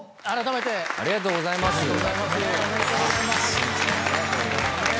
おめでとうございます。